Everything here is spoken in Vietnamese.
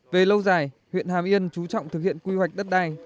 về lâu dài huyện hà miên chú trọng thực hiện quy hoạch đất đai